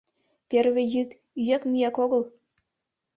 — Первый йӱд — ӱяк-мӱяк огыл!